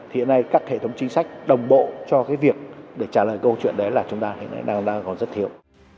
hiện nay các hệ thống chính sách đồng bộ cho việc trả lời câu chuyện đó là chúng ta đang giới thiệu